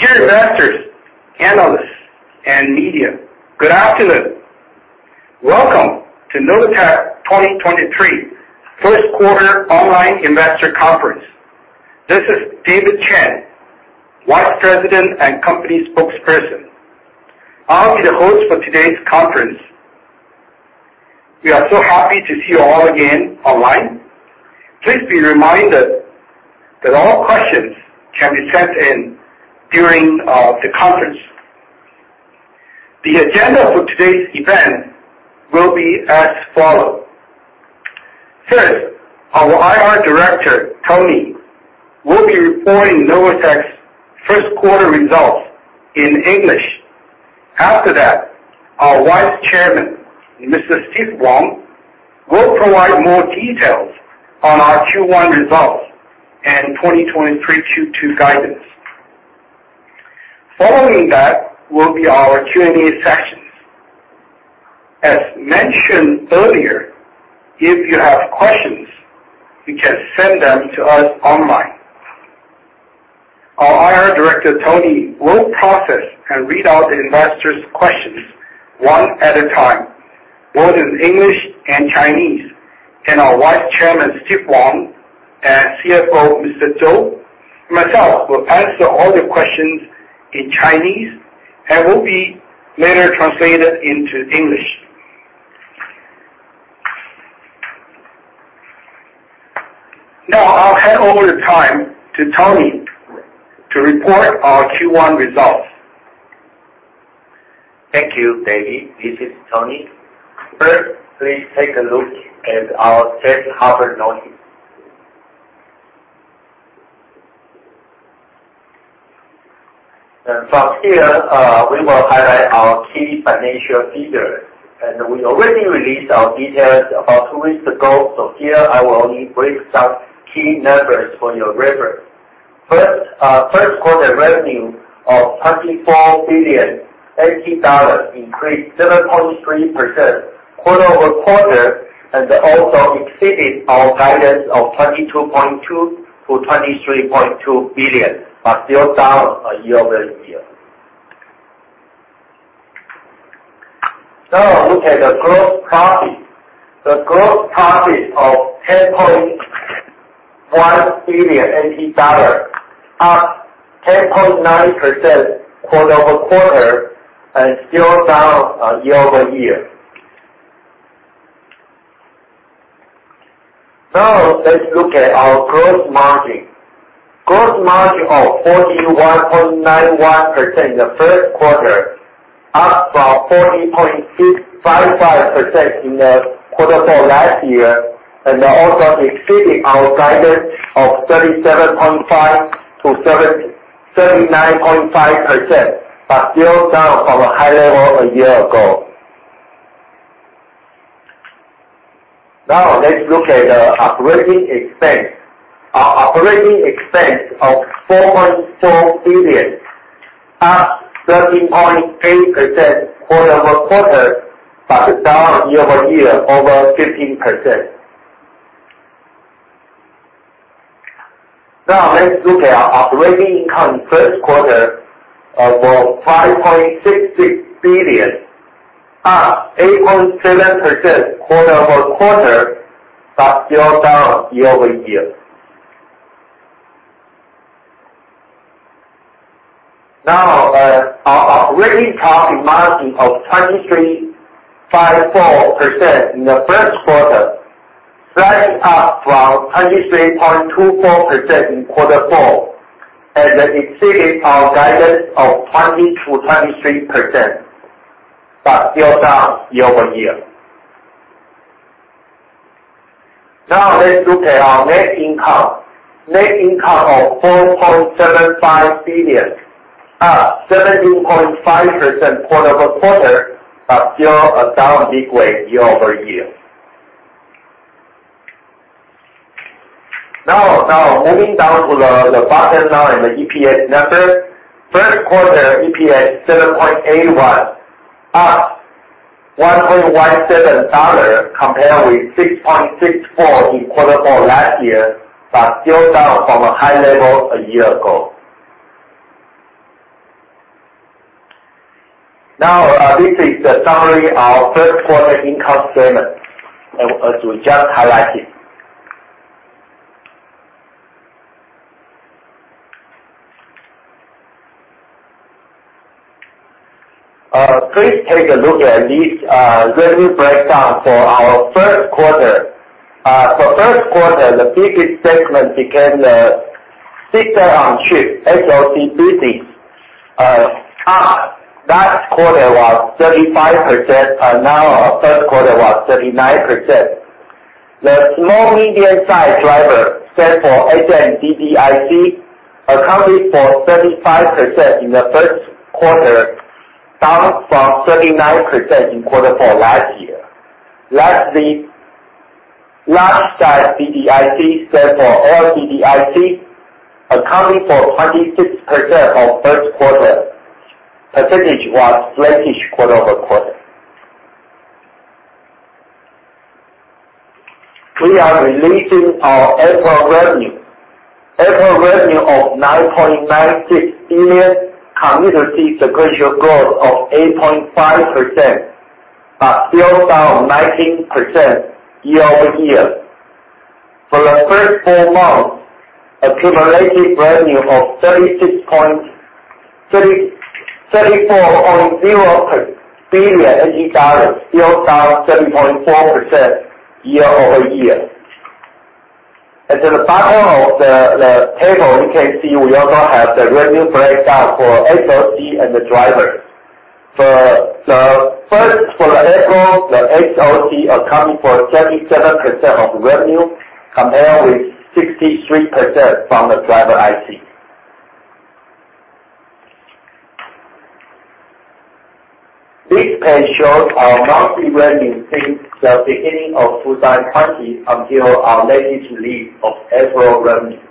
Dear investors, analysts, and media, good afternoon. Welcome to Novatek 2023 first quarter online investor conference. This is David Chen, Vice President and Company Spokesperson. I'll be the host for today's conference. We are so happy to see you all again online. Please be reminded that all questions can be sent in during the conference. The agenda for today's event will be as follows. First, our IR Director, Tony, will be reporting Novatek's first quarter results in English. After that, our Vice Chairman, Mr. Steve Wang, will provide more details on our Q1 results and 2023 Q2 guidance. Following that will be our Q&A sessions. As mentioned earlier, if you have questions, you can send them to us online. Our IR Director, Tony, will process and read out investors' questions one at a time, both in English and Chinese. Our Vice Chairman, Steve Wang, and CFO, Mr. Chuo, myself, will answer all the questions in Chinese and will be later translated into English. I'll hand over the time to Tony to report our Q1 results. Thank you, David. This is Tony. First, please take a look at our safe harbor notice. From here, we will highlight our key financial figures. We already released our details about two weeks ago. Here, I will only break some key numbers for your reference. First, first quarter revenue of TWD 24 billion, increased 7.3% quarter-over-quarter, and also exceeded our guidance of 22.2 billion-23.2 billion, but still down year-over-year. Now, look at the gross profit. The gross profit of TWD 10.1 billion, up 10.9% quarter-over-quarter, and still down year-over-year. Now, let's look at our gross margin. Gross margin of 41.91% in the first quarter, up from 40.655% in the quarter four last year. Also exceeding our guidance of 37.5%-39.5%, still down from a high level a year ago. Now, let's look at the operating expense. Our operating expense of 4.4 billion, up 13.8% quarter-over-quarter, down year-over-year over 15%. Now, let's look at our operating income first quarter of 5.66 billion, up 8.7% quarter-over-quarter, still down year-over-year. Our, our operating profit margin of 23.54% in the first quarter, rising up from 23.24% in quarter four and exceeding our guidance of 20%-23%, but still down year-over-year. Let's look at our net income. Net income of 4.75 billion, up 17.5% quarter-over-quarter, but still down big way year-over-year. Moving down to the bottom line, the EPS numbers. First quarter EPS 7.81, up $1.17 compared with 6.64 in quarter four last year, but still down from a high level a year ago. This is the summary of first quarter income statement as we just highlighted. Please take a look at this revenue breakdown for our first quarter. First quarter, the biggest segment became the System-on-Chip, SoC business, up. Last quarter was 35%, and now our third quarter was 39%. The small medium-sized driver, stand for agent DDIC, accounted for 35% in the first quarter, down from 39% in quarter four last year. Lastly, large size DDIC, OLED DDIC, accounting for 26% of first quarter. Percentage was sluggish quarter-over-quarter. Start releasing our April revenue. April revenue of NTD 9.96 billion, continue to see sequential growth of 8.5%, but still down 19% year-over-year. For the first four months, accumulated revenue of NTD 34.0 billion, still down 70.4% year-over-year. At the bottom of the table, you can see we also have the revenue breakdown for SoC and the driver IC. The first for April, the SoC accounting for 37% of revenue, compared with 63% from the driver IC. This page shows our monthly revenue since the beginning of 2020 until our latest release of April revenue.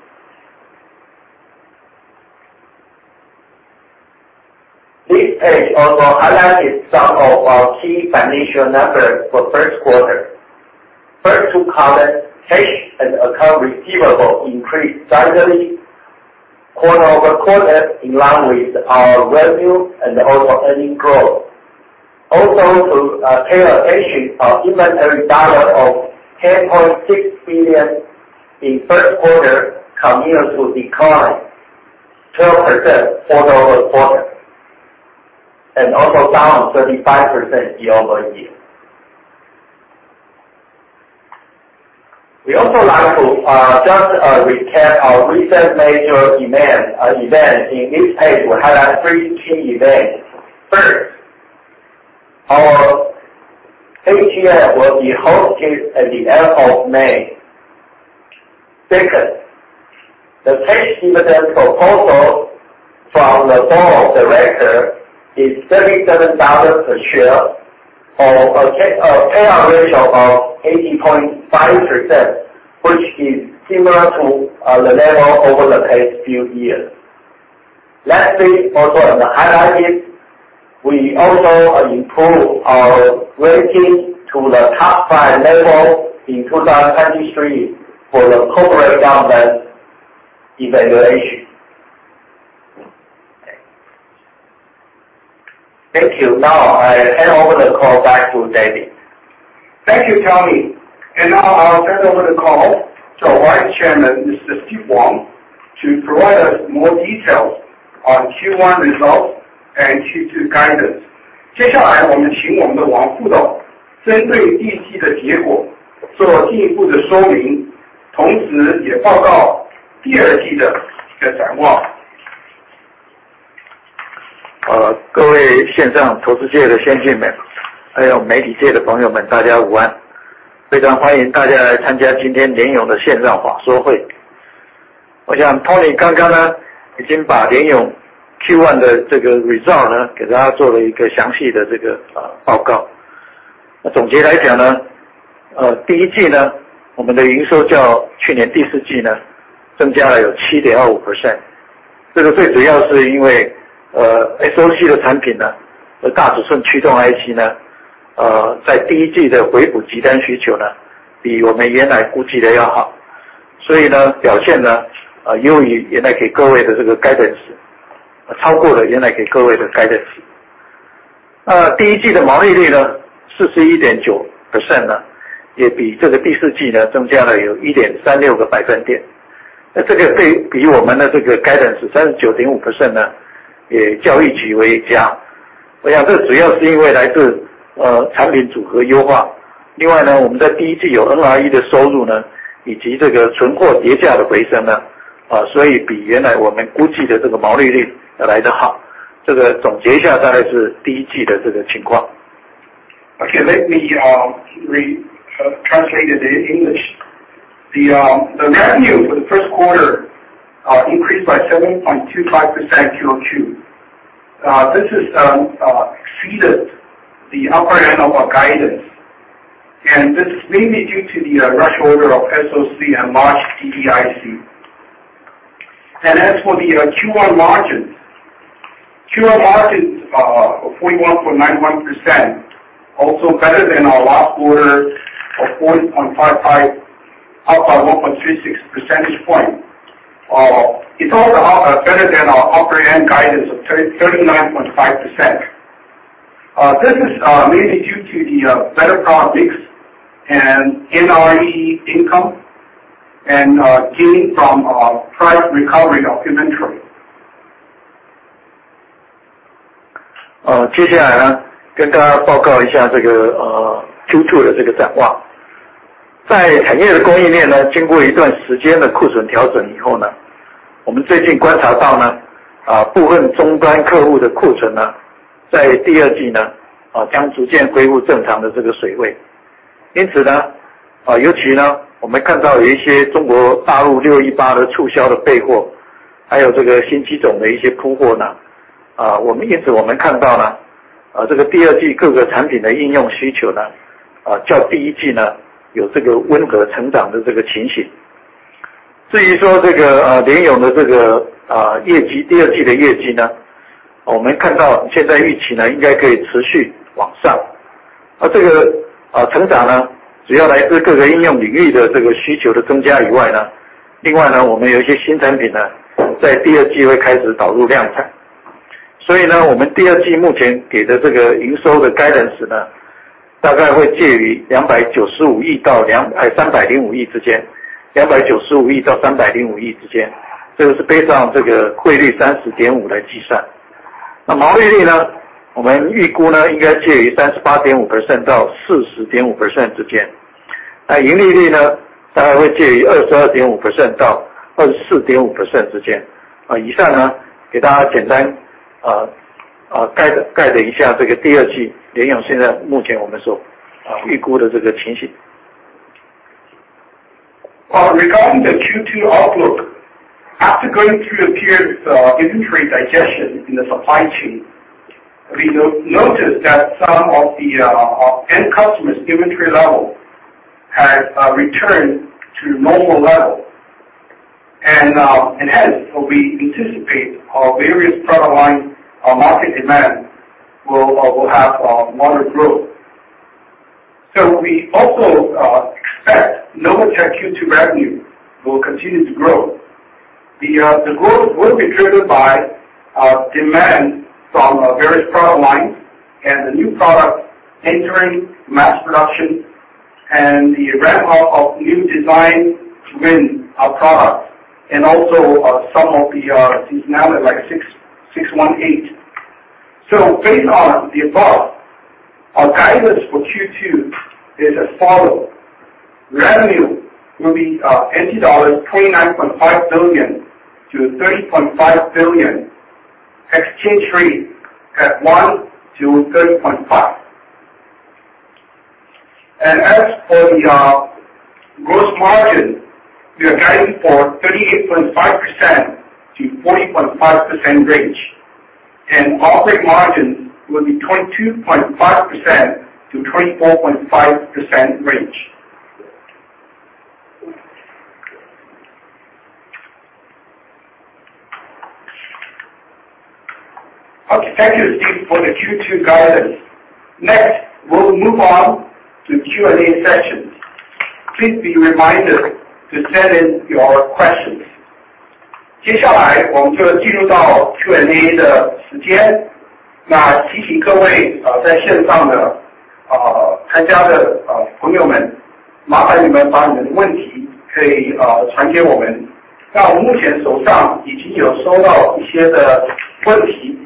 This page also highlighted some of our key financial numbers for first quarter. First two column, cash and account receivable increased slightly quarter-over-quarter, in line with our revenue and also earning growth. Also to pay attention, our inventory dollar of $10.6 billion in first quarter continued to decline 12% quarter-over-quarter, and also down 35% year-over-year. We also like to recap our recent major event. In this page, we highlight three key events. First, our AGM will be hosted at the end of May. Second, the cash dividend proposal from the board of director is 37 dollars per share or a payout ratio of 80.5%, which is similar to the level over the past few years. Lastly, also to highlight is we also improve our ranking to the top five level in 2023 for the corporate governance evaluation. Thank you. Now I hand over the call back to David. Thank you, Tony. Now I'll turn over the call to our Vice Chairman, Mr. Steve Wang, to provide us more details on Q1 results and Q2 guidance. Okay. Let me translate it in English. The revenue for the first quarter increased by 7.25% QOQ. This is exceeded the upper end of our guidance, and this is mainly due to the rush order of SoC and large DDIC. As for the Q1 margins, were 41.91%, also better than our last quarter of 40.55%, up by 1.36 percentage point. It's also better than our upper end guidance of 39.5%. This is mainly due to the better product mix and NRE income and gain from price recovery of inventory. 至于说这个 Novatek 的这个 业绩，Q2 的 业绩，我们 看到现在预期应该可以持续往上。这个 成长，主要 来自各个应用领域的这个需求的增加 以外，另外 我们有一些新 产品，在 Q2 会开始导入量产。我们 Q2 目前给的这个营收的 guidance，大概 会介于 TWD 29.5 billion-TWD 30.5 billion 之间。这个是 based on 这个汇率 30.5 来 计算。毛利率，我们 预估应该介于 38.5%-40.5% 之间。盈利 率，大概 会介于 22.5%-24.5% 之间。以上，给大家 简单概了一下这个 Q2 Novatek 现在目前我们所预估的这个 情形. Regarding the Q2 outlook, after going through the period, inventory digestion in the supply chain, we noticed that some of the our end customers' inventory level has returned to normal level. Hence, we anticipate our various product line, market demand will have moderate growth. We also expect Novatek Q2 revenue will continue to grow. The growth will be driven by demand from our various product lines and the new product entering mass production and the ramp up of new design win our products and also some of the seasonality like 618. Based on the above, our guidance for Q2 is as follow: Revenue will be 39.5 billion-30.5 billion dollars, exchange rate at 1 to 30.5. As for the gross margin, we are guiding for 38.5%-40.5% range. Operating margin will be 22.5%-24.5% range. Okay, thank you, Steve, for the Q2 guidance. Next, we'll move on to Q&A session. Please be reminded to send in your questions. 接下来我们就进入到 Q&A 的时间。提醒各位在线上的参加的朋友 们， 麻烦你们把你们的问题可以传给我们。我们目前手上已经有收到一些的问 题，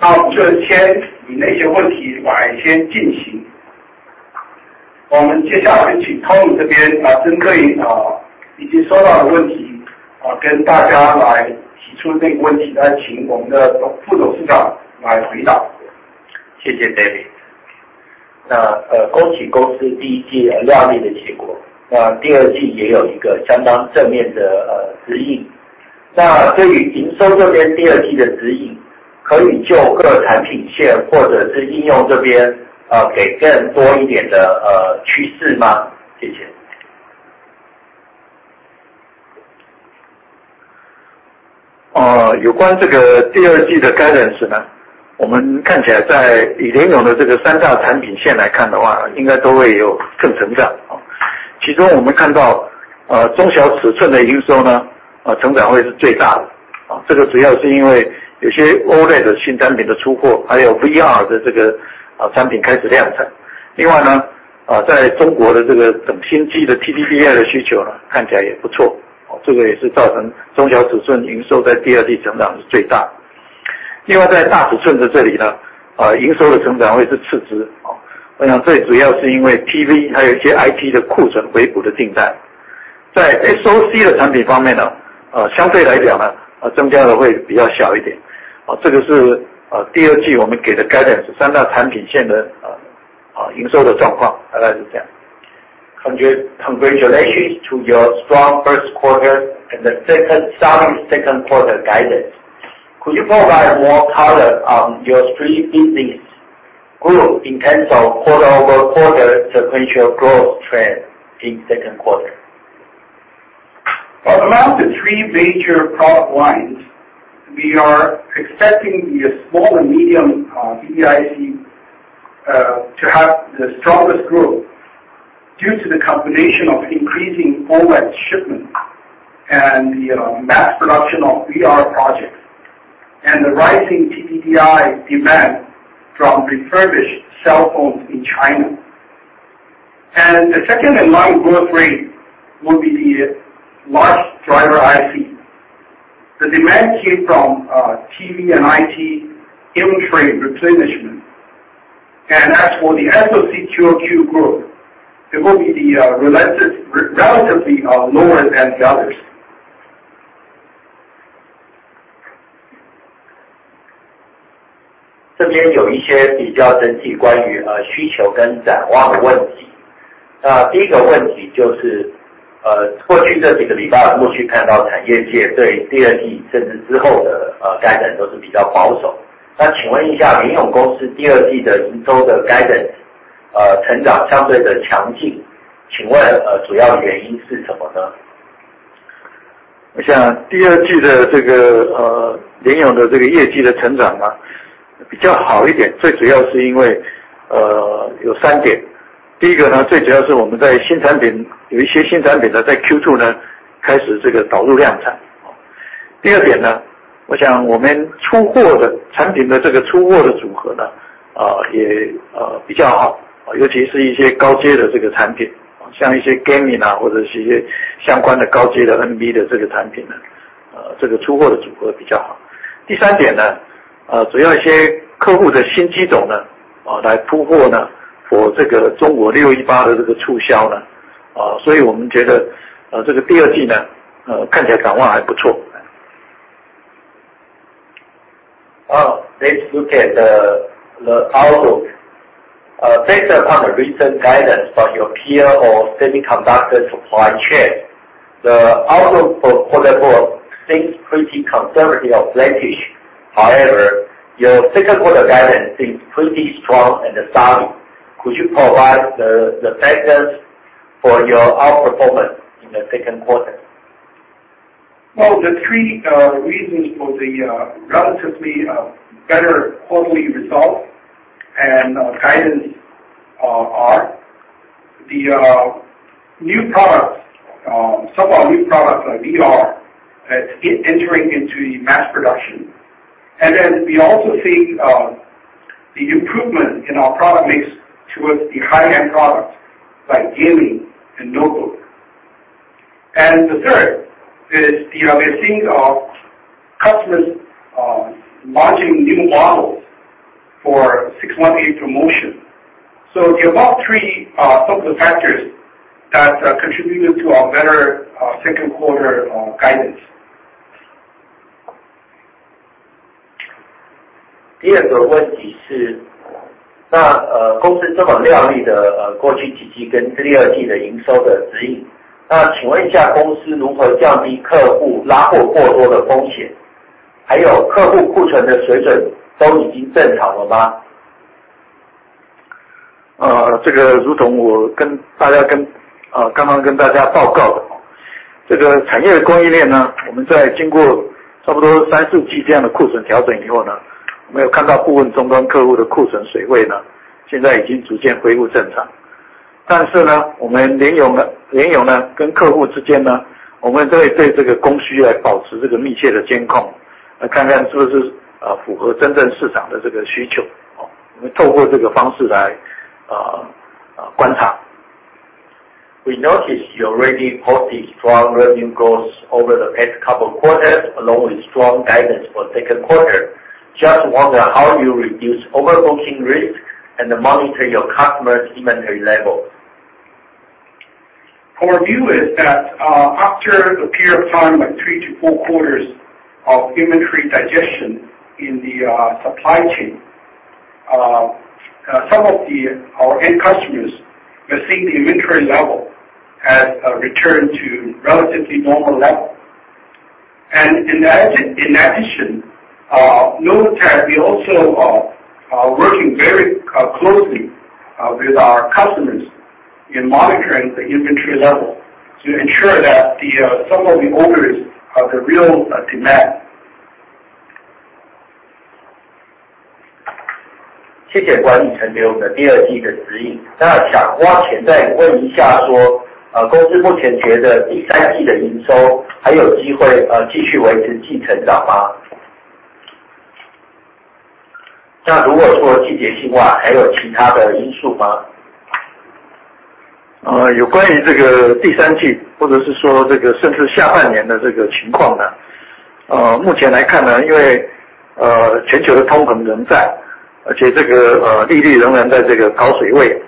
我们就先以那些问题来先进行。我们接下来请 Tony 这边来针对已经收到的问 题， 跟大家来提出这个问 题， 来请我们的 Vice Chairman 来回答。Thank you, David. 恭喜公司 first quarter 亮丽的结 果, 那 second quarter 也有一个相当正面的指 引. 对于营收这边 second quarter 的指 引, 可以就各产品线或者是应用这 边, 给更多一点的趋势 吗? 谢谢. 有关这个 2Q 的 guidance， 我们看起来在以 Novatek 的这个 major product lines 来看的 话， 应该都会有更成长。其中我们看 到， 中小尺寸的营 收， 成长会是 the largest。这个主要是因为有些 OLED 新产品的出 货， 还有 VR 的这个产品开始量产。在中国的这个整新机的 TDDI 的需求看起来也不错。这个也是造成中小尺寸营收在 2Q 成长是 the largest。在大尺寸的这 里， 营收的成长会是 second largest。我想最主要是因为 TV 还有一些 IT 的库存回补的订单。在 SoC 的产品方 面， 相对来 讲， 增加的会比较 smaller。这个是 2Q 我们给的 guidance 3 major product lines 的营收的状 况， 大概是这样。Congratulations to your strong first quarter and strong second quarter guidance. Could you provide more color on your three business group in terms of quarter-over-quarter sequential growth trend in second quarter? Well, among the three major product lines, we are expecting the small and medium DDIC to have the strongest growth due to the combination of increasing OLED shipment and the mass production of VR projects and the rising TDDI demand from refurbished cell phones in China. The second in line growth rate will be the large driver IC. The demand came from TV and IT inventory replenishment. As for the SoC QOQ growth, it will be the relatively lower than the others. 这边有一些比较针对关 于， 呃， 需求跟展望的问题。那第一个问题就 是， 呃， 过去这几个礼拜我们陆续看到产业界对第二季甚至之后 的， 呃 ，guidance 都是比较保守。那请问一下联咏公司第二季的营收的 guidance-呃 成长相对的强 劲， 请问呃主要原因是什么 呢？ 我想 Q2 的这个 Novatek 的这个业绩的成 长， 比较好一 点， 最主要是因为有3 点。第一个 呢， 最主要是我们在新产 品， 有一些新产品 呢， 在 Q2 呢开始这个导入量产。第二点 呢， 我想我们出货 的， 产品的这个出货的组合 呢， 也比较好，尤其是一些高阶的这个产 品， 像一些 gaming， 或者是一些相关的高阶的 NB 的这个产品 呢， 这个出货的组合比较好。第三点 呢， 主要一些客户的新机种 呢， 来铺货 呢， for 这个中国618的这个促销呢。所以我们觉得这个 Q2 呢， 看起来展望还不错。Let's look at the outlook. Based upon the recent guidance from your peer or semiconductor supply chain, the outlook for quarter four seems pretty conservative or sluggish. However, your second quarter guidance seems pretty strong and solid. Could you provide the factors for your outperformance in the second quarter? Well, the three reasons for the relatively better quarterly results and guidance are: the new products, some of our new products like VR entering into mass production. We also see the improvement in our product mix towards the high-end products like gaming and notebook. The third is, you know, we're seeing our customers launching new models for 618 promotion. The above three are some of the factors that contributed to our better second quarter guidance. 第2个问题 是， 公司这么靓丽的过去几季跟第2季的营收的指 引， 那请问一下公司如何降低客户拉货过多的风 险？ 还有客户库存的水准都已经正常了 吗？ 这个如同我跟大家刚刚跟大家报告 的， 这个产业链 呢， 我们在经过差不多三四季这样的库存调整以后 呢， 我们有看到部分终端客户的库存水位 呢， 现在已经逐渐恢复正常。我们联 咏， 联咏呢跟客户之间 呢， 我们对这个供需来保持这个密切的监 控， 来看看是不是符合真正市场的这个需求。我们透过这个方式来观察。We notice you already posted strong revenue growth over the past couple of quarters, along with strong guidance for second quarter. Just wonder how you reduce overbooking risk and monitor your customers' inventory levels. Our view is that, after the period of time, like three to four quarters of inventory digestion in the supply chain, some of our end customers, we're seeing the inventory level has returned to relatively normal level. In addition, notice that we also are working very closely with our customers in monitoring the inventory level to ensure that some of the orders are the real demand. 谢谢管理层给我们的第二季的指引。想挖浅再问一下 说， 公司目前觉得第三季的营收还有机会继续维持季成长 吗？ 如果说季节性 外， 还有其他的因素 吗？ 呃有关于这个第三 季， 或者是说这个甚至下半年的这个情况 呢， 呃目前来看 呢， 因为呃全球的通膨仍在，而且这个呃利率仍然在这个高水位。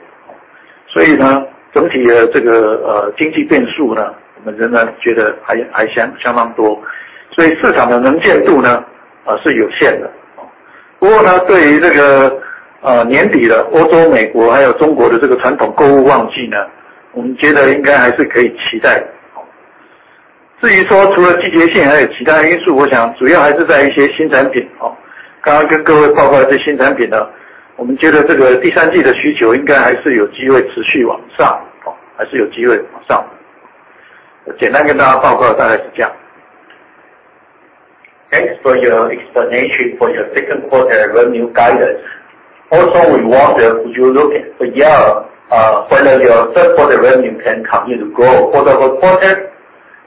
所以 呢， 整体的这个呃经济变数 呢， 我们仍然觉得 还， 还 相， 相当 多， 所以市场的能见度 呢， 是有限的。不过 呢， 对于这个呃年底的欧洲、美国还有中国的这个传统购物旺季 呢， 我们觉得应该还是可以期待 的， 哦。至于说除了季节 性， 还有其他因 素， 我想主要还是在一些新产品哦，刚刚跟各位报告的这些新产品 呢， 我们觉得这个第三季的需求应该还是有机会持续往 上， 还是有机会往上。我简单跟大家报告大概是这样。Thanks for your explanation for your second quarter revenue guidance. We wonder, could you look at the year, whether your third quarter revenue can continue to grow quarter-over-quarter?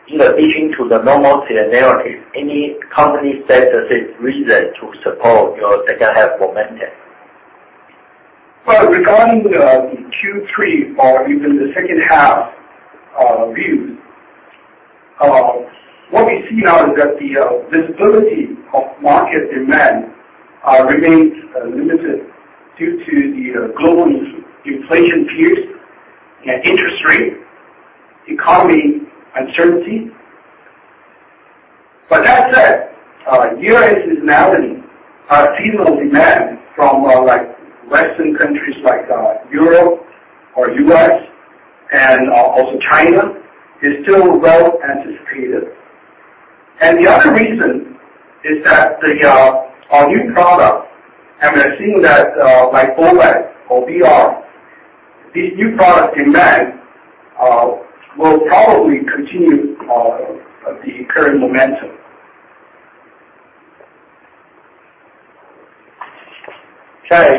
In addition to the normal seasonality, any company-specific reason to support your second half momentum? Regarding the Q3 or even the second half views, what we see now is that the visibility of market demand remains limited due to the global inflation fears and interest rate, economy uncertainty. That said, year-end seasonality, seasonal demand from like western countries like Europe or U.S. and also China is still well anticipated. The other reason is that the, our new product, and we are seeing that like OLED or VR, these new product demand, will probably continue the current momentum. 在，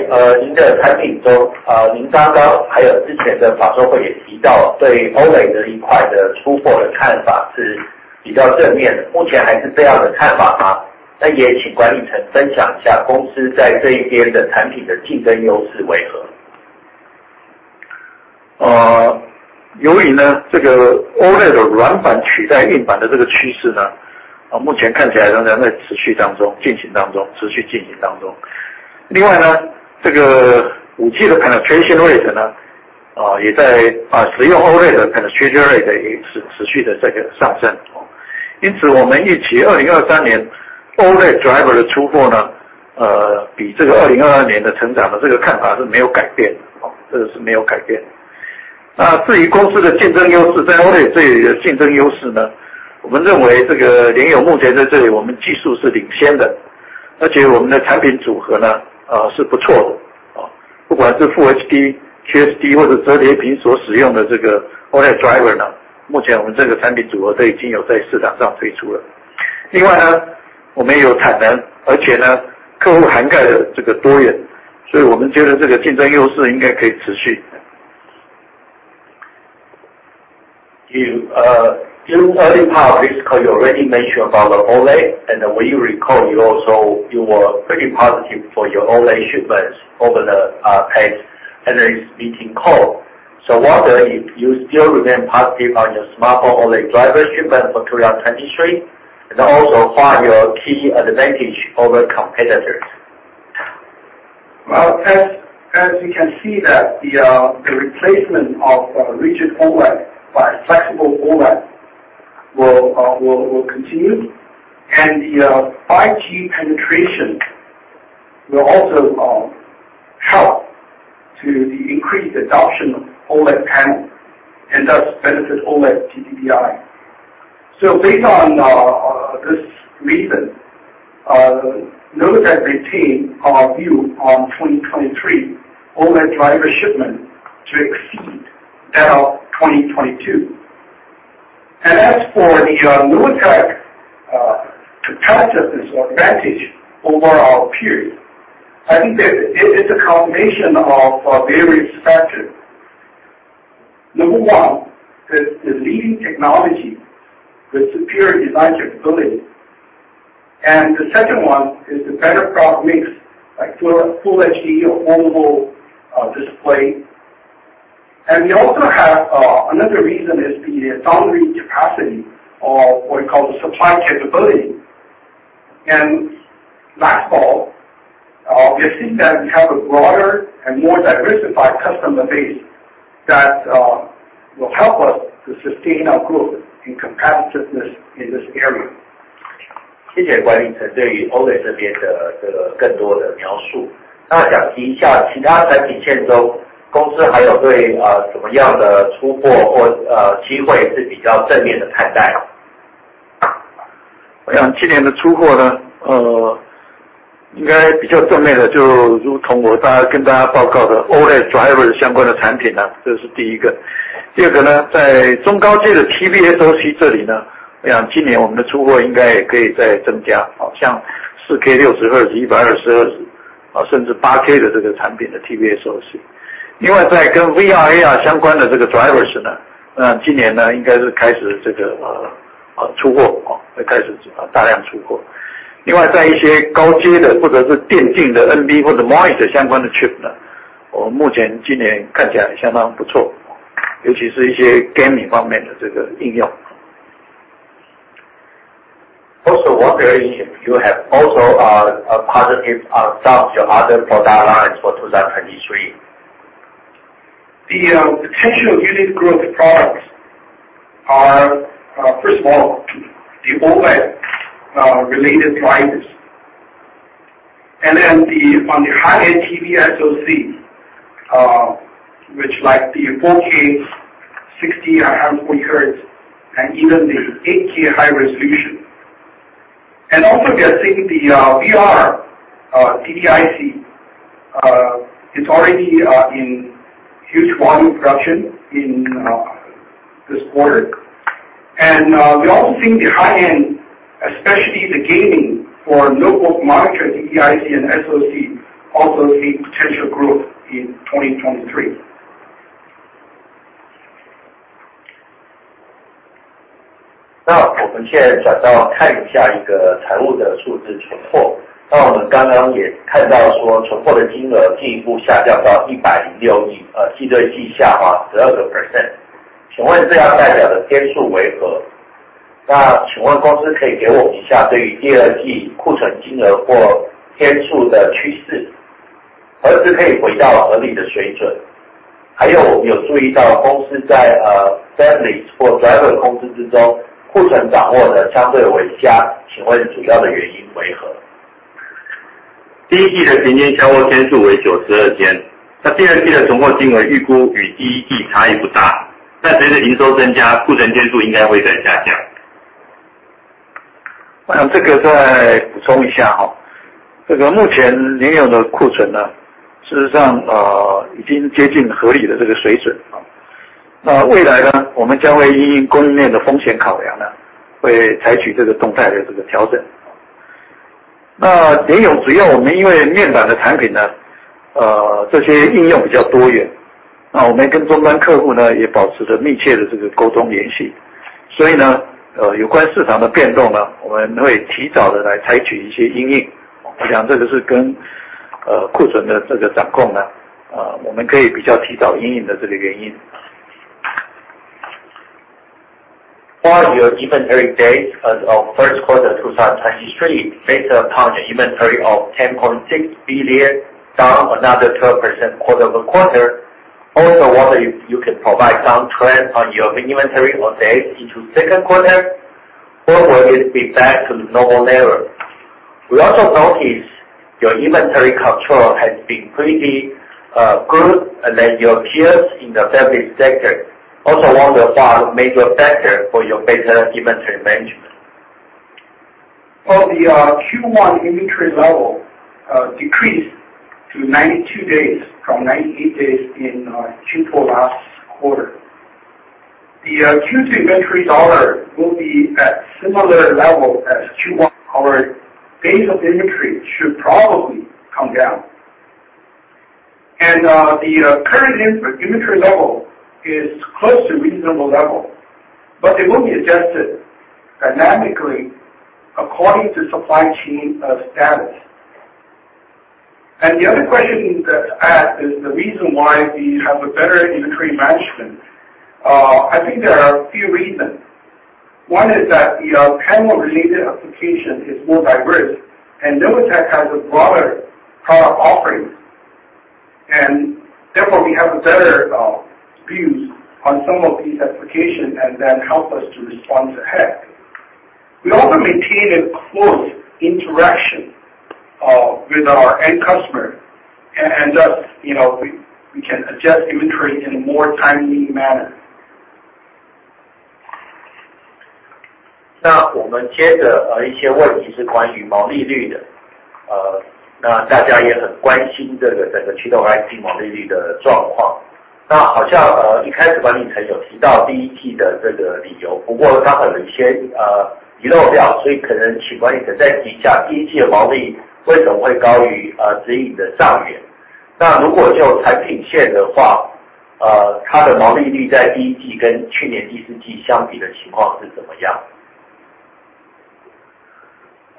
您的产品 中， 您刚刚还有之前的法说会也提 到， 对 OLED 的一块的出货的看法是比较正面 的， 目前还是这样的看法 吗？ 那也请管理层分享一下公司在这一边的产品的竞争优势为 何？ 由于 呢, 这个 OLED 的软板取代硬板的这个趋势 呢, 目前看起来仍然在持续当 中, 进行当 中, 持续进行当 中. 这个 5G 的 penetration rate 呢, 使用 OLED 的 penetration rate 也是持续的这个上 升. 我们预期2023年 OLED driver 的出货 呢, 比这个2022年的成长的这个看法是没有改变 的. 至于公司的竞争优 势, 在 OLED 这里的竞争优势 呢, 我们认为这个联咏目前在这里我们技术是领先 的, 而且我们的产品组合 呢, 是不错 的. 不管是 Full HD, QHD 或者折叠屏所使用的这个 OLED driver 呢, 目前我们这个产品组合都已经有在市场上推出 了. 我们也有产 能, 而且呢客户涵盖了这个多 元, 我们觉得这个竞争优势应该可以持 续. You, during early part of this call, you already mentioned about the OLED, and when you recall, you also, you were pretty positive for your OLED shipments over the past earnings meeting call. Wonder if you still remain positive on your smartphone OLED driver shipment for 2023, and also what are your key advantage over competitors? Well, as you can see that the replacement of rigid OLED by flexible OLED will continue. The 5G penetration will also help to the increased adoption of OLED panel and thus benefit OLED TDDI. Based on this reason, Novatek retain our view on 2023 OLED driver shipment to exceed that of 2022. As for the Novatek competitiveness or advantage over our period, I think that it's a combination of various factors. Number one is the leading technology with superior design capability. The second one is the better product mix, like Full HD or foldable display. We also have another reason is the foundry capacity or what you call the supply capability. Last of all, we have seen that we have a broader and more diversified customer base that will help us to sustain our growth and competitiveness in this area. 谢谢管义成对于 OLED 这边的这个更多的描 述. 想提一下其他产品线 中， 公司还有对怎么样的出货或机会是比较正面的看 待. 我想今年的出货 呢, 应该比较正面的就如同我大 家, 跟大家报告的 OLED driver 相关的产品 啊. 这是第一 个. 第二个 呢, 在中高阶的 TV SoC 这里 呢, 我想今年我们的出货应该也可以再增 加, 像 4K 60 Hz, 120 Hz, 甚至 8K 的这个产品的 TV SoC. 另外在跟 VR、AR 相关的这个 drivers 呢, 那今年呢应该是开始这 个, 出 货, 会开始大量出 货. 另外在一些高阶的或者是电竞的 NB 或者 monitor 相关的 chip 呢, 我们目前今年看起来也相当不 错, 尤其是一些 gaming 方面的这个应 用. Also wonder if you have also, a positive outlook to other product lines for 2023? The potential unit growth products are, first of all, the OLED related drivers, and then the on the high-end TV SoC, which like the 4K60 or 120 hertz, and even the 8K high resolution. Also we are seeing the VR driver IC. It's already in huge volume production in this quarter. We also think the high end, especially the gaming for notebook monitor, the T-CON IC and SoC also see potential growth in 2023. 那我们现在转到看一下一个财务的数 字， 存货。那我们刚刚也看到了说存货的金额进一步下降到一百零六 亿， 呃， 季对季下滑十二个 percent。请问这样代表的天数为 何？ 那请问公司可以给我们一下对于第二季库存金额或天数的趋势何时可以回到合理的水 准？ 还有我们有注意到公司 在， 呃 ，memory 或 driver 的工资之 中， 库存掌握的相对为 低， 请问主要的原因为何 ？第 一季的平均销货天数为九十二 天， 那第二季的存货金额预估与第一季差异不 大， 但随着营收增 加， 库存天数应该会再下降。我想这个再补充一 下， 这个目前零有的库存 呢， 事实上 呃， 已经接近合理的这个水准。那未来 呢， 我们将会因应供应链的风险考量 呢， 会采取这个动态的这个调整。那也有只要我们因为面板的产品 呢， 呃， 这些应用比较多 元， 那我们跟终端客户 呢， 也保持着密切的这个沟通联系。所以 呢， 有关市场的变动 呢， 我们会提早地来采取一些因 应， 我想这个是跟 呃， 库存的这个掌控 啊， 我们可以比较提早因应的这个原因。What your inventory days of first quarter 2023 based upon your inventory of 10.6 billion, down another 12% quarter-over-quarter. Wonder if you can provide some trends on your inventory or days into second quarter. Will it be back to normal level. We notice your inventory control has been pretty good than your peers in the fabless sector. Wonder what major factor for your better inventory management. For the Q1 inventory level decreased to 92 days from 98 days in Q4 last quarter. The Q2 inventory dollar will be at similar level as Q1. Our base of inventory should probably come down, and the current inventory level is close to reasonable level, but it will be adjusted dynamically according to supply chain status. The other question that asked is the reason why we have a better inventory management. I think there are a few reasons. One is that the panel related application is more diverse and Novatek has a broader product offerings, and therefore we have a better views on some of these applications and then help us to respond ahead. We also maintain a close interaction with our end customer and thus, you know, we can adjust inventory in a more timely manner. 我们接着一些问题是关于毛利率 的， 大家也很关心这个整个驱动 IC 毛利率的状 况， 好像一开始本尼特有提到第一季的这个理 由， 不过他可能先遗漏 掉， 所以可能请本尼特再提一下第一季的毛利为什么会高于指引的上 缘， 如果就产品线的 话， 它的毛利率在第一季跟去年第四季相比的情况是怎么 样？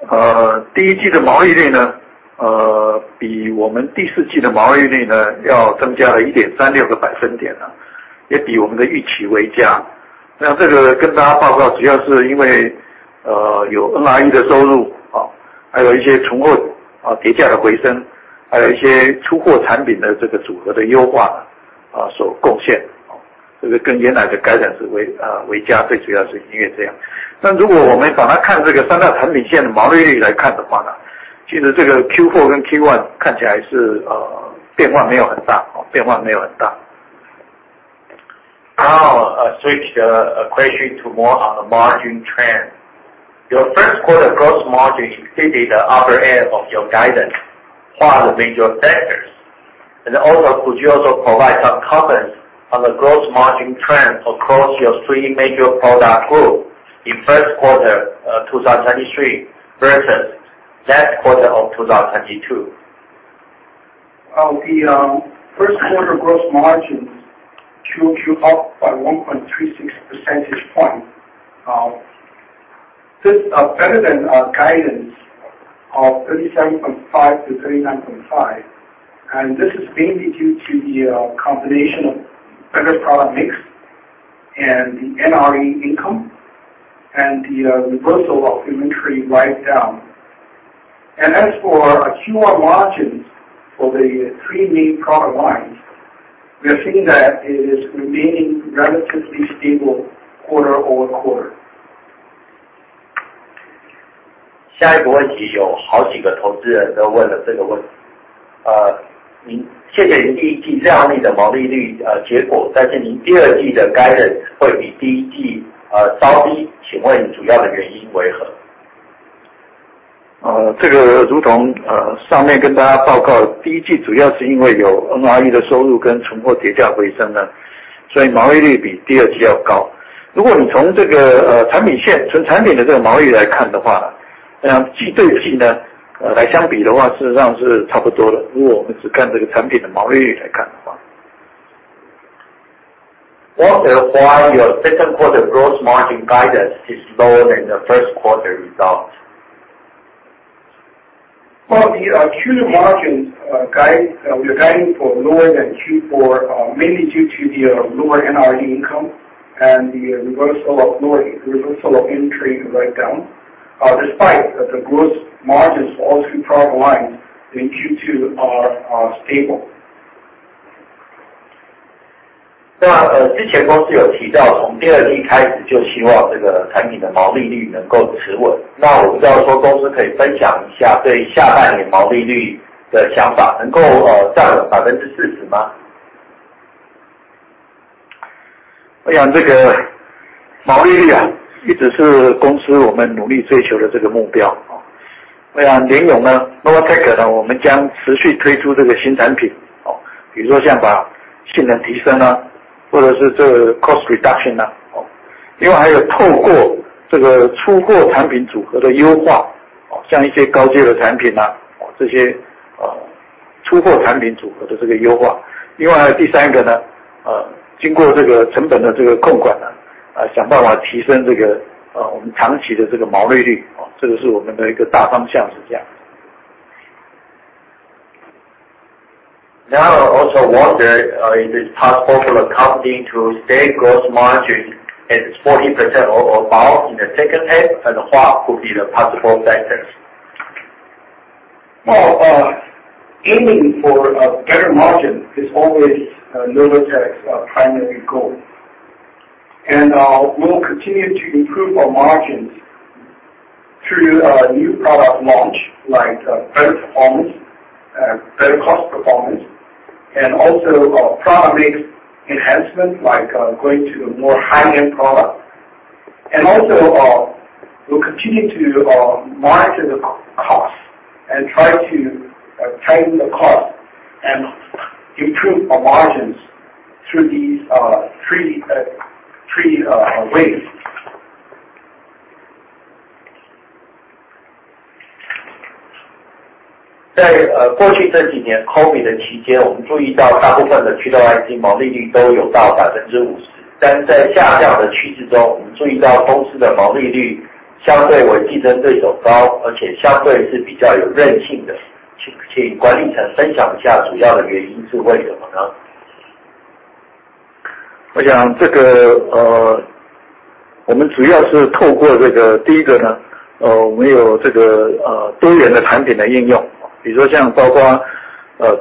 呃， 第一季的毛利率呢， 呃， 比我们第四季的毛利率 呢， 要增加了 1.36 个百分点 呢， 也比我们的预期为佳。那这个跟大家报 告， 主要是因 为， 呃， 有 NRE 的收 入， 还有一些存 货， 啊跌价的回 升， 还有一些出货产品的这个组合的优 化， 呃， 所贡 献， 这个跟原来的改善是 为， 呃， 为 佳， 最主要是因为这样。但如果我们把它看这个三大产品线的毛利率来看的话呢，其实这个 Q4 跟 Q1 看起来 是， 呃， 变化没有很 大， 变化没有很大。Now I switch the question to more on the margin trend. Your first quarter gross margin exceeded the upper end of your guidance. What are the major factors? Could you also provide some comments on the gross margin trend across your three major product group in first quarter of 2023 versus last quarter of 2022? The first quarter gross margins QoQ up by 1.36 percentage points. This better than our guidance of 37.5%-39.5%, this is mainly due to the combination of better product mix and the NRE income and the reversal of inventory write-down. As for Q1 margins for the three main product lines, we are seeing that it is remaining relatively stable quarter-over-quarter. 下一个问题有好几个投资人都问了这个问题。您， 谢谢您第一季这样的毛利 率， 结 果， 您第二季的 guidance 会比第一 季， 高 低， 请问主要的原因为何？这个如 同， 上面跟大家报 告， 1st quarter 主要是因为有 NRE 的收入跟存货跌价回 升， 所以毛利率比 2nd quarter 要高。如果你从这个产品 线， 从产品的这个毛利来看的 话， 那季对季 呢， 来相比的 话， 事实上是差不多的。如果我们只看这个产品的毛利率来看的话。What why your second quarter gross margin guidance is lower than the first quarter results? The Q2 margins guide, we are guiding for lower than Q4, mainly due to the lower NRE income and the reversal of inventory write down, despite that the gross margins for all three product lines in Q2 are stable. 之前公司有提 到， 从 2Q 开始就希望这个产品的毛利率能够持 稳， 那不知道说公司可以分享一下对下半年毛利率的想法能够占 40% 吗？ 我想这个毛利 率， 一直是公司我们努力追求的这个目 标， 我想联 咏， Novatek 我们将持续推出这个新产 品， 比如说像把性能提升，或者是这个 cost reduction， 另外还有透过这个出货产品组合的优 化， 像一些高阶的产 品， 这些出货产品组合的这个优化。另外第三 个， 经过这个成本的这个控 管， 来想办法提升这个我们长期的这个毛利 率， 这个是我们的一个大方向是这样。I also wonder, is it possible for the company to stay gross margin at 40% or above in the second half, and what could be the possible factors? Aiming for a better margin is always Novatek's primary goal. We'll continue to improve our margins through our new product launch, like better performance, better cost performance, and also our product mix enhancement, like going to the more high-end product. Also, we'll continue to monitor the cost and try to tighten the cost and improve our margins through these three ways. 在呃过去这几年 COVID 的期 间， 我们注意到大部分的驱动 IC 毛利率都有到百分之五 十， 但是在下降的趋势 中， 我们注意到公司的毛利率相对竞争对手 高， 而且相对是比较有韧性的。请请管理层分享一下主要的原因是为什么 呢？ 我想这 个， 我们主要是透过这个。第一个 呢， 我们有这个多元的产品的应用，比如说像包括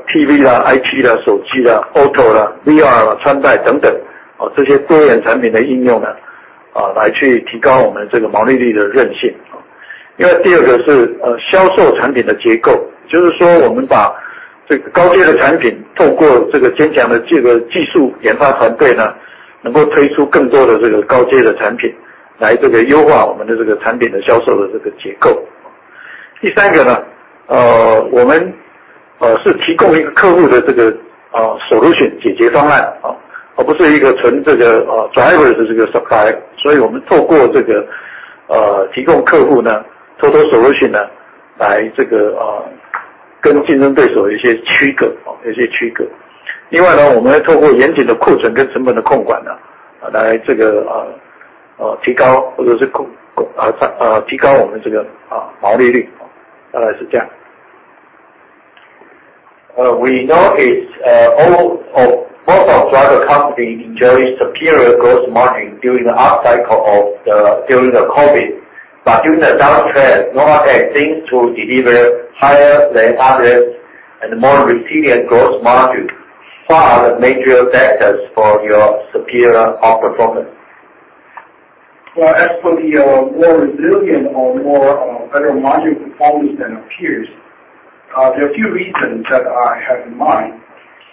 TV 啦、IT 啦、手机啦、auto 啦、VR 啦、穿戴等等。这些多元产品的应用 呢， 来去提高我们这个毛利率的韧性。第二个是销售产品的结 构， 就是说我们把这个高阶的产品透过这个坚强的这个技术研发团队 呢， 能够推出更多的这个高阶的产 品， 来这个优化我们的这个产品的销售的这个结构。第三个呢，我们是提供一个客户的这个 solution 解决方 案， 而不是一个纯这个 drivers 的 supply。我们透过这个提供客户 呢， 透过 solution 呢来这个跟竞争对手有一些区 隔， 一些区隔。另外 呢， 我们会透过严谨的库存跟成本的控管 呢， 来这个提高或者是提高我们这个毛利 率， 大概是这样。We know is, most of driver company enjoys superior gross margin during the upcycle during the COVID, but during the down trend, Novatek seems to deliver higher than others and more resilient gross margin. What are the major factors for your superior outperformance? Well, as for the more resilient or more better margin performance than our peers, there are a few reasons that I have in mind.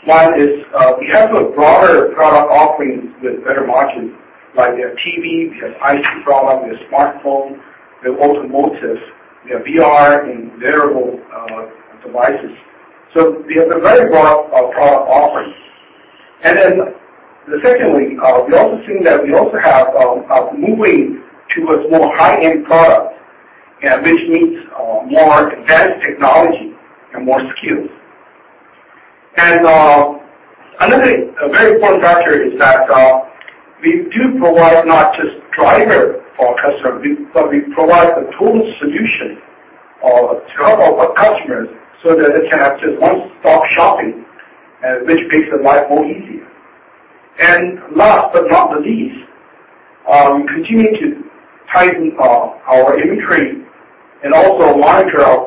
One is, we have a broader product offering with better margin, like we have TV, we have IC product, we have smartphone, we have automotive, we have VR and wearable devices. We have a very broad product offering. Secondly, we also think that we also have moving to a more high-end product, which needs more advanced technology and more skills. Another very important factor is that we do provide not just driver for our customer, but we provide the total solution to help our customers so that they can have just one-stop shopping, which makes their life more easier. Last but not the least, we continue to tighten our inventory and also monitor our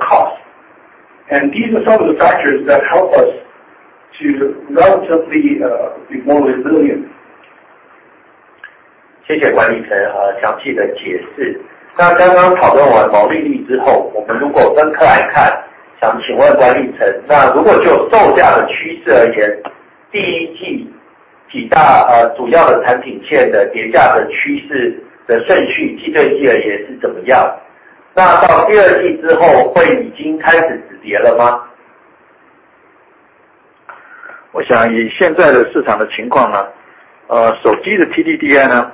cost. These are some of the factors that help us to relatively be more resilient. 谢谢管理层详细的解 释. 刚刚讨论完毛利率之 后， 我们如果分科来 看， 想请问管理 层， 那如果就售价的趋势而 言， 1Q 几大主要的产品线的跌价的趋势的顺 序， 季对季而言是怎么 样? 到 2Q 之后会已经开始止跌了 吗? 我想以现在的市场的情况 呢， 手机的 TDDI 呢，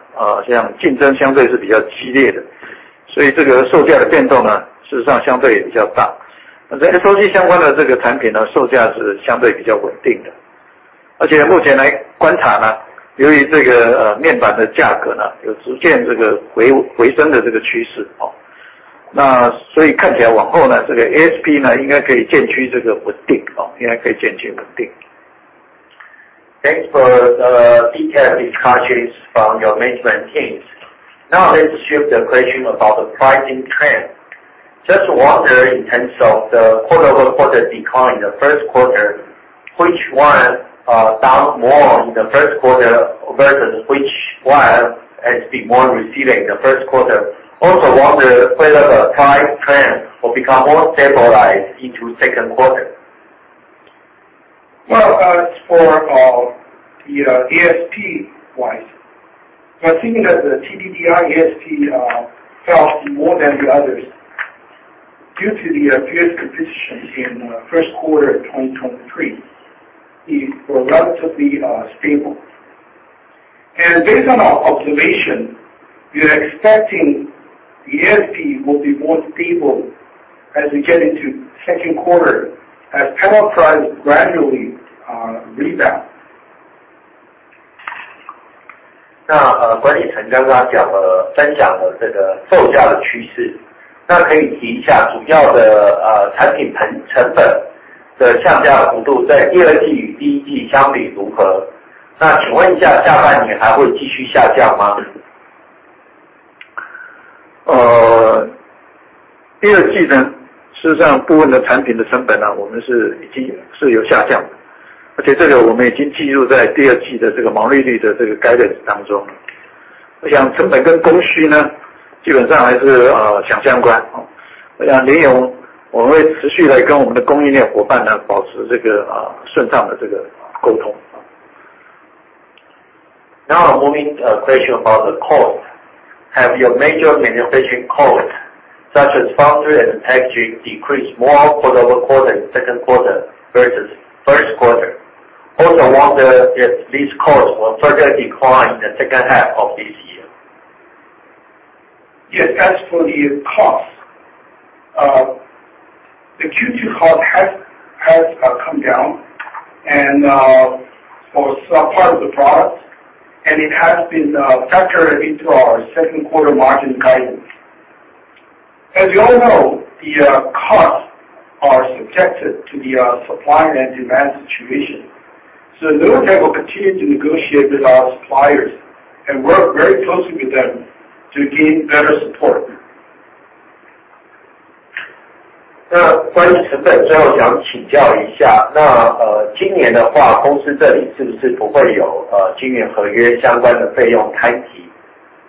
像竞争相对是比较激烈 的， 所以这个售价的变动 呢， 事实上相对也比较大。ADAS 相关的这个产品 呢， 售价是相对比较稳定 的， 而且目前来观察 呢， 由于这个面板的价格 呢， 有逐渐这个回升的这个趋势。那所以看起来往后 呢， 这个 ASP 呢应该可以渐趋这个稳定。Thanks for the detailed discussions from your management teams. Now let's shift the question about the pricing trend. Just wonder in terms of the quarter-over-quarter decline in the first quarter, which one down more in the first quarter versus which one has been more receiving the first quarter. Also wonder whether the price trend will become more stabilized into second quarter. Well, as for, the ESP wise, I think that the TDDI ESP, falls more than the others due to the fierce competition in, first quarter of 2023 is relatively, stable. Based on our observation, we are expecting ESP will be more stable as we get into second quarter as panel price gradually, rebound. 那管理层刚刚讲 了， 分享了这个售价的趋 势， 那可以提一下主要 的， 呃， 产品 成， 成本的下降幅度在第二季与第一季相比如 何？ 那请问一下下半年还会继续下降吗？ Q2, 事实上部分的产品的成本我们是已经是有 下降, 而且这个我们已经计入在 Q2 的这个毛利率的这个 guidance 当中. 我想成本跟供 需, 基本上还是 相关, 我想 Novatek 我们会持续地跟我们的供应链伙伴保持这个顺畅的这个 沟通. Moving question about the cost. Have your major manufacturing costs such as foundry and packaging decreased more quarter-over-quarter in second quarter versus first quarter? Wonder if these costs will further decline in the second half of this year. Yes, as for the costs, the Q2 cost has come down and, for some part of the products, and it has been, factored into our second quarter margin guidance. As you all know, the costs are subjected to the supply and demand situation. Novatek will continue to negotiate with our suppliers and work very closely with them to gain better support. 那关于成 本， 最后想请教一 下， 那， 呃， 今年的 话， 公司这里是不是不会 有， 呃， 晶圆合约相关的费用开 提，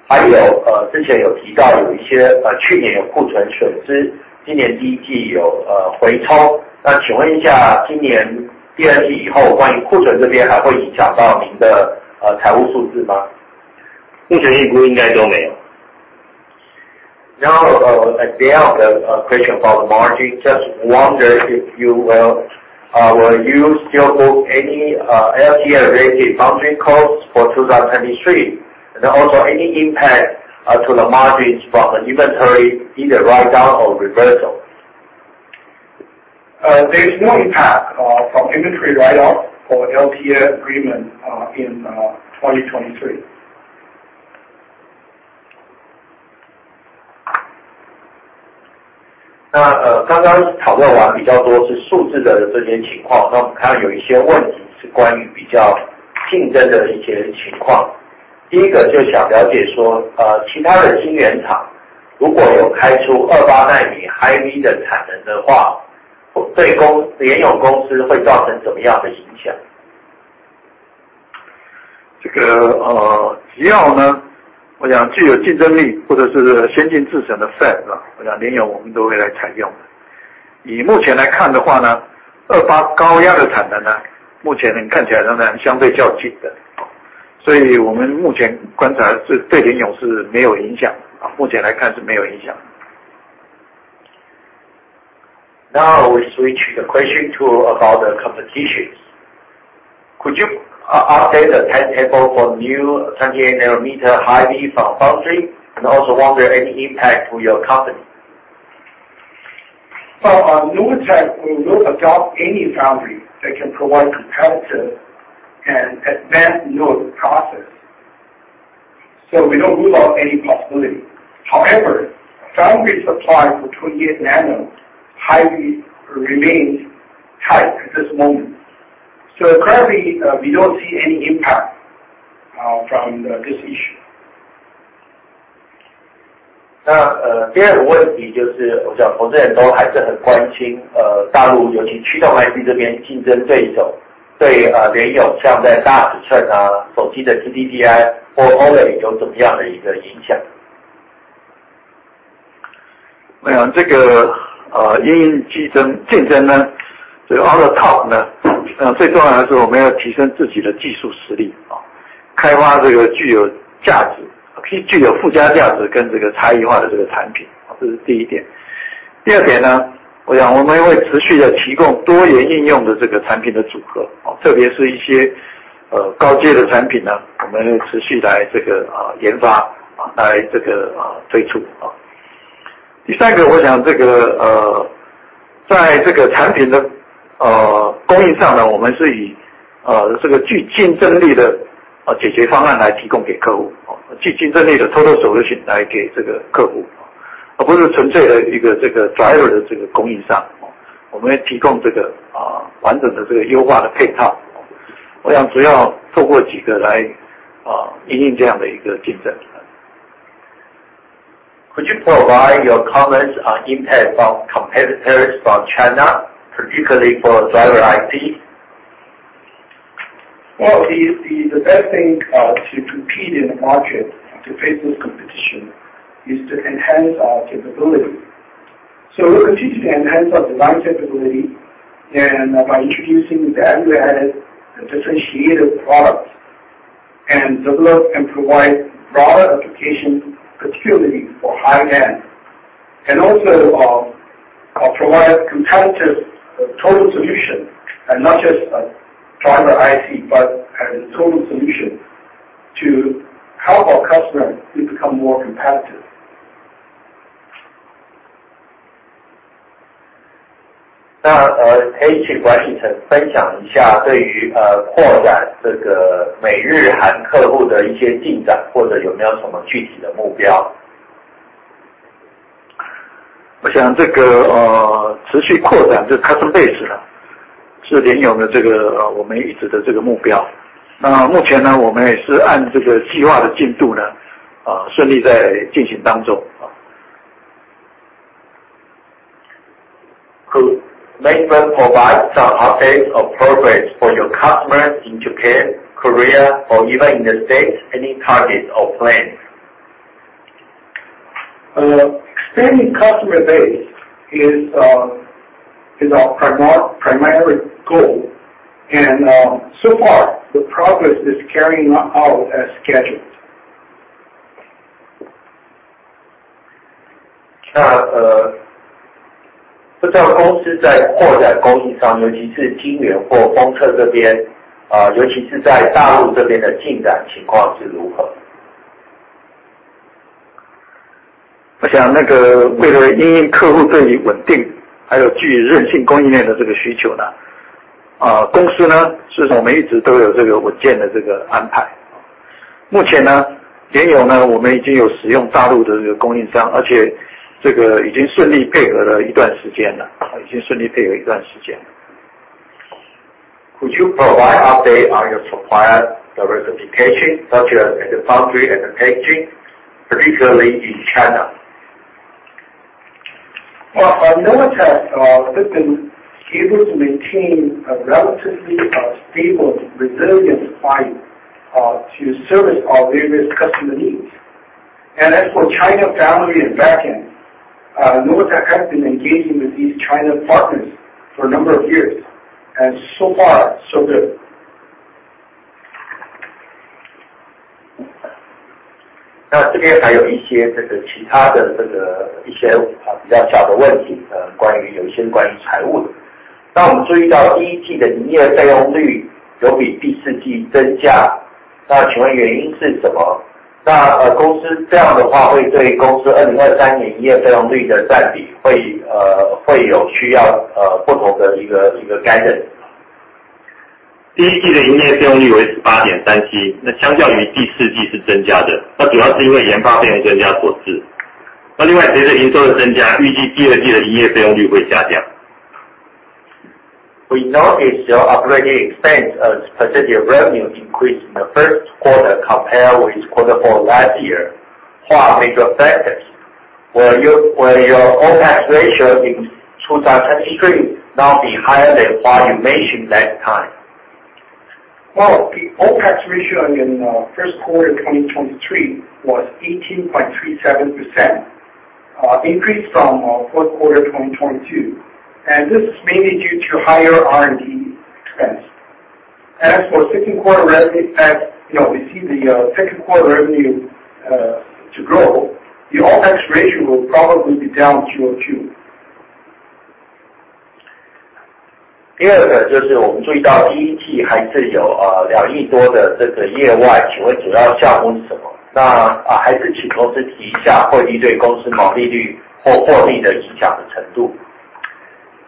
还 有， 呃， 之前有提到有一 些， 呃， 去年有库存损 失， 今年第一季 有， 呃， 回冲。那请问一 下， 今年第二季以 后， 关于库存这边还会影响到您 的， 呃， 财务数字 吗？ 目前应不应该都没有。Now, I have the question about margin. Just wonder if you will you still book any LT agreement bounding costs for 2023 and also any impact to the margins from the inventory, either write down or reversal? There's no impact from inventory write off for LT agreement in 2023. 刚刚讨论完比较多是数字的这些情 况， 我们看到有一些问题是关于比较竞争的一些情况。第一个就想了解 说， 其他的晶圆厂如果有开出二八奈米 High Voltage 的产能的 话， 对联咏公司会造成什么样的影 响？ 这 个， 呃， 只要呢，我想具有竞争力或者是先进制程的 Fab， 我想联咏我们都会来采用。以目前来看的话 呢， 二八高压的产能 呢， 目前看起来仍然相对较紧 的， 所以我们目前观察 是， 对联咏是没有影 响， 目前来看是没有影响。Now we switch the question to about the competition. Could you update the timetable for new 28 nm High Voltage from foundry? Also wonder any impact to your company. Well, Novatek will adopt any foundry that can provide competitive and advanced node process, so we don't rule out any possibility. However, foundry supply for 28 nm High Voltage remains tight at this moment, so currently, we don't see any impact from this issue. 第二个问题就 是， 我想投资人都还是很关 心， 大陆尤其 driver IC 这边竞争这一 种， 对， Novatek 像在大型 寸， 手机的 TDDI 或 OLED 有怎么样的一个影 响？ 我想这 个， 应用竞 争， 竞争 呢， 这个 out of top 呢，最重要的就是我们要提升自己的技术实 力， 开发这个具有价 值， 具有附加价值跟这个差异化的这个产品。这是第一点。第二点 呢， 我想我们也会持续地提供多元应用的这个产品的组 合， 特别是一些高阶的产品 呢， 我们会持续来这个研 发， 来这个推出。第三 个， 我想这 个， 在这个产品的供应上 呢， 我们是以这个具竞争力的解决方案来提供给客 户， 具竞争力的 total solution 来给这个客 户， 而不是纯粹的一个这个 driver 的这个供应商。我们会提供这个完整的这个优化的配套。我想主要透过几个来因应这样的一个竞争。Could you provide your comments on impact from competitors from China, particularly for driver IC? Well, the best thing to compete in the market to face this competition is to enhance our capability. We'll continue to enhance our design capability and by introducing value added and differentiated products, and develop and provide broader application capability for high-end, and also, provide competitive total solution. Not just a driver IC, but as a total solution to help our customer to become more competitive. 那， 可以去请管理层分享一下对 于， 扩展这个美日韩客户的一些进 展， 或者有没有什么具体的目 标？ 我想这 个， 持续扩展这个 customer base 呢是 Novatek 的这个我们一直的这个目标。目前呢我们也是按这个计划的进度 呢， 顺利在进行当中。Could management provide some updates or progress for your customers in Japan, Korea or even in the States? Any targets or plans? Expanding customer base is our primary goal. So far the progress is carrying out as scheduled. 不知道公司在扩展供应 上， 尤其是晶圆或封测这 边， 尤其是在大陆这边的进展情况是如 何？ 我想那个为了因应客户对于稳 定， 还有具韧性供应链的这个需求 呢， 公司 呢， 是我们一直都有这个稳健的这个安排。目前 呢， 联咏 呢， 我们已经有使用大陆的这个供应 商， 而且这个已经顺利配合了一段时间了。Could you provide update on your supplier diversification, such as in the foundry and the packaging, particularly in China. Well, I know that, we've been able to maintain a relatively, stable resilient supply, to service our various customer needs. As for China foundry and back-end, Novatek has been engaging with these China partners for a number of years, and so far, so good. 这边还有一些这个其他的这个一些比较小的问 题， 关于有一些关于财务的。我们注意到第一季的营业费用率有比第四季增 加， 请问原因是什 么？ 公司这样的话会对公司2023年营业费用率的占比会有需要不同的一个 guidance。第一季的营业费用率为十八点三 七， 那相较于第四季是增加 的， 那主要是因为研发费用增加所致。那另外随着营收的增 加， 预计第二季的营业费用率会下降。We notice your operating expense as a percentage of revenue increased in the first quarter compared with quarter four last year. What are major factors? Will your OPEX ratio in 2023 not be higher than what you mentioned that time? Well, the OPEX ratio in first quarter 2023 was 18.37%, increased from fourth quarter 2022. This is mainly due to higher R&D expense. As for second quarter revenue, as you know, we see the second quarter revenue to grow, the OPEX ratio will probably be down QoQ. 第二个就是我们注意到第一季还是 有， 呃， 两亿多的这个业 外， 请问主要项目是什 么？ 那还是请公司提一下汇率对公司毛利率或获利的影响的程度。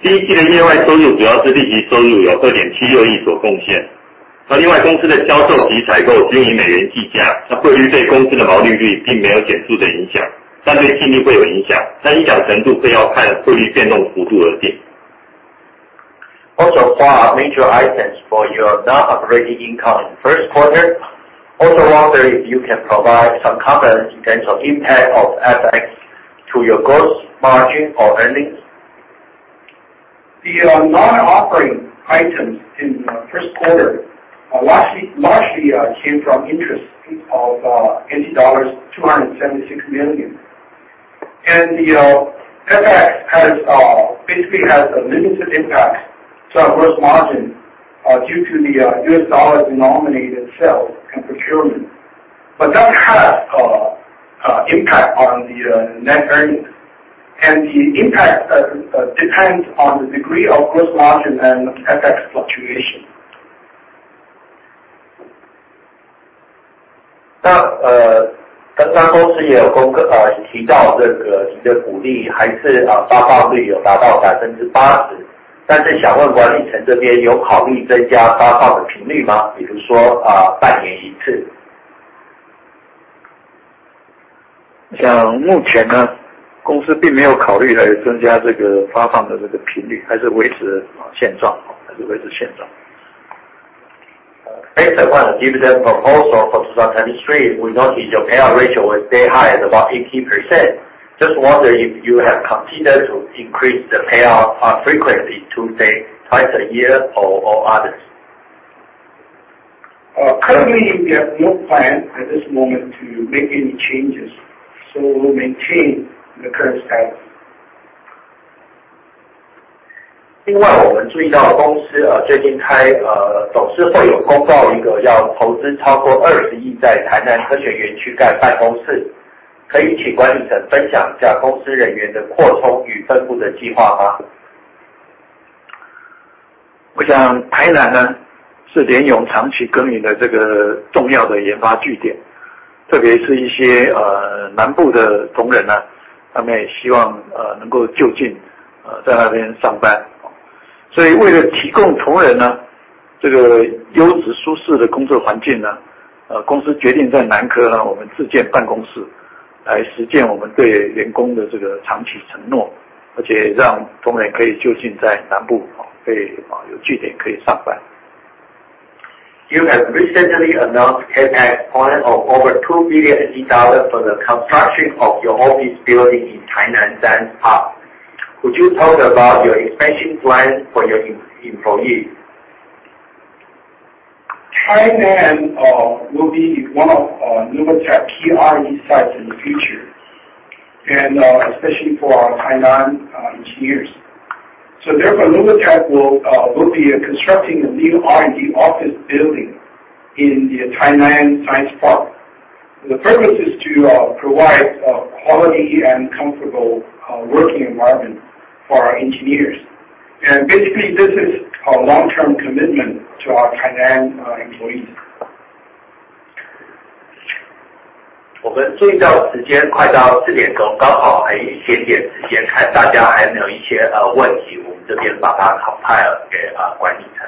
第一季的业外收入主要是利息收 入， 有二点七六亿所贡献。那另外公司的销售及采购均以美元计 价， 那汇率对公司的毛利率并没有显著的影 响， 但对净利会有影 响， 但影响程度要看汇率变动幅度而定。Also, what are major items for your non-operating income in first quarter? Also wonder if you can provide some comments in terms of impact of FX to your gross margin or earnings. The non-operating items in the first quarter largely came from interest of NT dollars 276 million. The FX has a limited impact to our gross margin due to the US dollar denominated sales and procurement, but does have impact on the net earnings. The impact depends on the degree of gross margin and FX fluctuation. 刚刚公司也有提到这个你的股利还是发放率有达到 80%， 但是想问管理层这边有考虑增加发放的频率 吗？ 比如说半年一次。像目前 呢， 公司并没有考虑来增加这个发放的这个频 率， 还是维持现状。Based upon the dividend proposal for 2023, we notice your payout ratio will stay high at about 80%. Just wonder if you have considered to increase the payout frequency to, say, two times a year or others? Currently, we have no plan at this moment to make any changes, so we'll maintain the current status. 另 外， 我们注意到公司最近董事会有公 告， 一个要投资超过 TWD 2 billion 在台南科学园区盖办公室，可以请管理层分享一下公司人员的扩充与分布的计划 吗？ 我想台南 呢， 是联咏长期耕耘的这个重要的研发据 点， 特别是一 些， 南部的同仁 呢， 他们也希望能够就 近， 在那边上班。所以为了提供同仁 呢， 这个优质舒适的工作环境 呢， 公司决定在南科 呢， 我们自建办公室，来实践我们对员工的这个长期承 诺， 而且让同仁可以就近在南部 哦， 可以 哦， 有据点可以上班。You have recently announced CapEx plan of over 2 billion dollars for the construction of your office building in Tainan Science Park. Would you talk about your expansion plan for your employees? Tainan will be one of Novatek key R&D sites in the future, and especially for our Tainan engineers. Therefore, Novatek will be constructing a new R&D office building in the Tainan Science Park. The purpose is to provide a quality and comfortable working environment for our engineers. Basically, this is our long-term commitment to our Tainan employees. 我们注意到的时间快到 4:00 P.M.， 刚好还有一些点时 间， 看大家还有没有一些问 题， 我们这边把它传给管理层。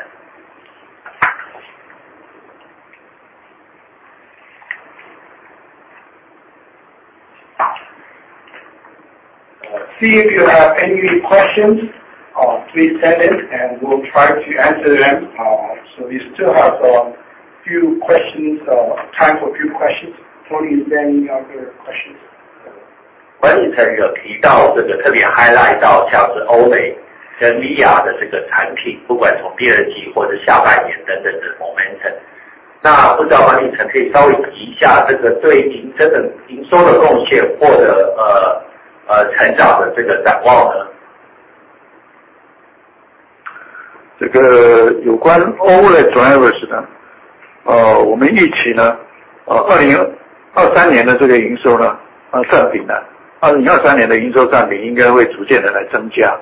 See if you have any questions, please send it and we'll try to answer them. We still have a few questions, time for a few questions. Tony, is there any other questions? 管理层有提 到， 这个特别 highlight 到像是 OLED 跟 VR 的这个产 品， 不管从 2Q 或是下半年等等的 momentum， 那不知道管理层可以稍微提一 下， 这个对您这个营收的贡 献， 或 者， 成长这个展望呢？这个有关 OLED drivers 呢， 我们预期 呢， 2023年的这个营收 呢， 占比 呢， 2023年的营收占比应该会逐渐的来增加。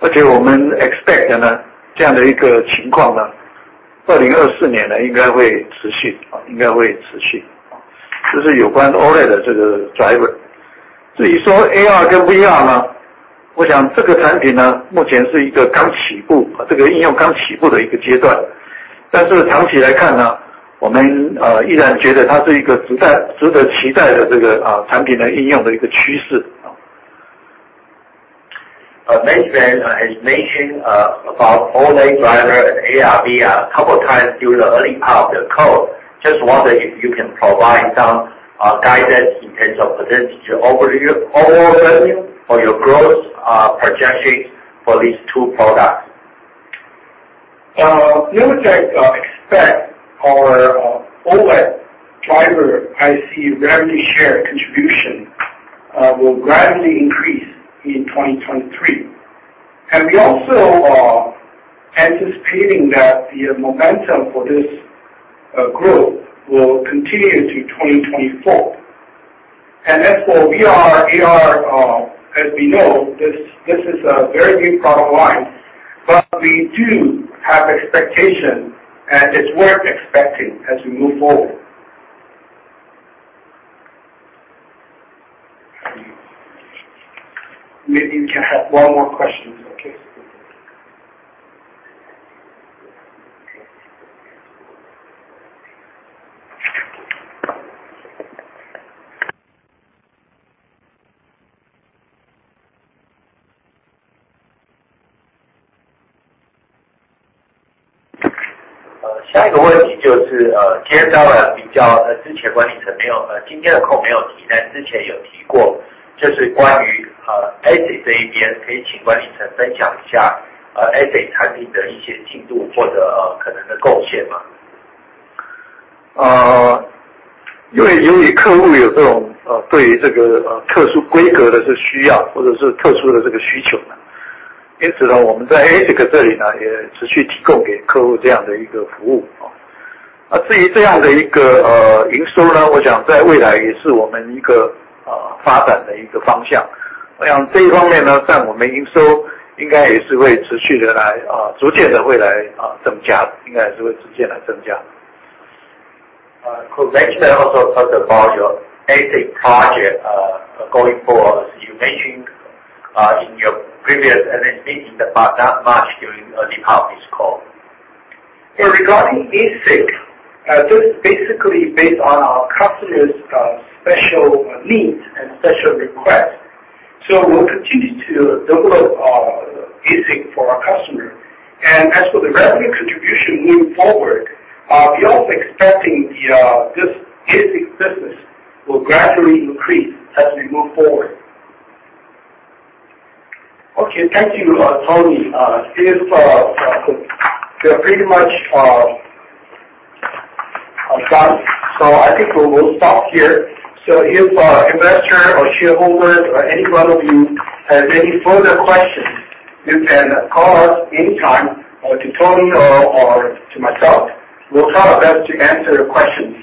我们 expect 呢， 这样的一个情况 呢， 2024年应该会持 续， 这是有关 OLED 的这个 driver。AR 跟 VR 呢， 我想这个产品 呢， 目前是一个刚起 步， 这个应用刚起步的一个阶 段， 但是长期来看 呢， 我们依然觉得它是一个值得期待的这个产品的应用的一个趋势。Management has mentioned about OLED driver and ARVR a couple times during the early part of the call. Just wonder if you can provide some guidance in terms of potential overall revenue or your growth projections for these two products? Novatek expect our OLED driver IC revenue share contribution will gradually increase in 2023. We're also anticipating that the momentum for this growth will continue into 2024. As for VR, AR, as we know, this is a very big product line, but we do have expectation, and it's worth expecting as we move forward. Maybe we can have one more question. Okay. 下一个问题就 是, 今天稍微比 较, 之前管理层没有--今天的 call 没有 提, 但之前有提 过, 就是关于 ASIC 这一 边, 可以请管理层分享一 下, ASIC 产品的一些进 度, 或者可能的贡献 吗? 因为由于客户有这种对于这个特殊规格的需 要， 或者是特殊的这个需 求， 因此我们在 ASIC 这里 呢， 也持续提供给客户这样的一个服务。那至于这样的一个营收 呢， 我想在未来也是我们一个发展的一个方向。我想这一方面 呢， 占我们营收应该也是会持续的来逐渐的会来增 加， 应该还是会逐渐来增加。Could management also talk about your ASIC project, going forward, as you mentioned in your previous earnings meeting, but not much during early part of this call? Regarding ASIC, this is basically based on our customers, special needs and special requests. We'll continue to develop ASIC for our customer. As for the revenue contribution moving forward, we are also expecting the this ASIC business will gradually increase as we move forward. Okay, thank you, Tony. This, we are pretty much done. I think we will stop here. If investor or shareholder or any one of you has any further questions, you can call us anytime, or to Tony or to myself. We'll try our best to answer your questions.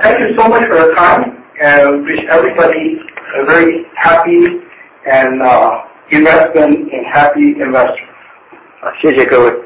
Thank you so much for your time, and wish everybody a very happy and investment and happy investors. 谢谢各 位.